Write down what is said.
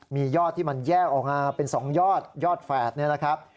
มียอดที่มันแยกออกมาเป็น๒ยอดยอดแฝดนี่นะครับ